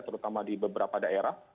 terutama di beberapa daerah